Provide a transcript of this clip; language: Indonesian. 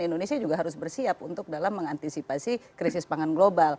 indonesia juga harus bersiap untuk dalam mengantisipasi krisis pangan global